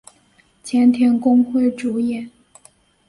前田公辉主演。